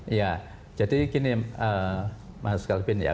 iya jadi gini mas kelvin ya